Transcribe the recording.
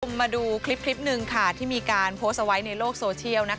มาดูคลิปหนึ่งค่ะที่มีการโพสต์เอาไว้ในโลกโซเชียล